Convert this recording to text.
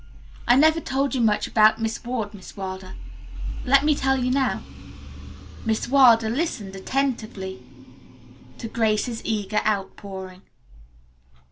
I never told you much about Miss Ward, Miss Wilder. Let me tell you now." Miss Wilder listened attentively to Grace's eager outpouring.